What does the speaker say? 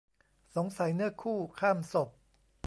สงสัยเนื้อคู่ ข้ามศพ